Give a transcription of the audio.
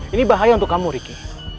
ini bahaya untuk kamu riki